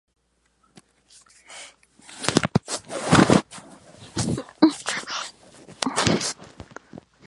Twisted es actualmente miembro de la banda finlandesa de glam metal de Reckless Love.